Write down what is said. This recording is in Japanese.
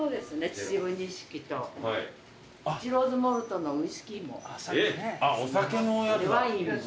秩父錦とイチローズモルトのウイスキーも。でワインも。